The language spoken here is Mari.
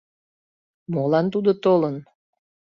— Молан тудо толын?